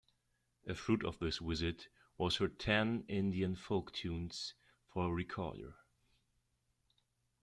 A fruit of this visit was her "Ten Indian Folk Tunes" for recorder.